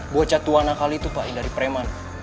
bocah tuan kali itu pak dari preman